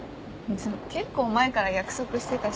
結構前から約束してたし。